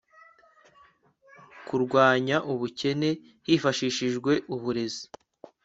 kurwanya ubukene hifashishijwe uburezi